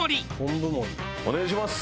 お願いします。